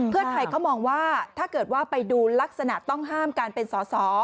เพื่อไทยเขามองว่าถ้าเกิดว่าไปดูลักษณะต้องห้ามการเป็นสอสอ